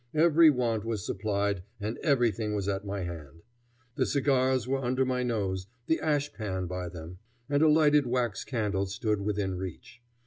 Every want was supplied and everything was at my hand. The cigars were under my nose, the ash pan by them, and a lighted wax candle stood within reach.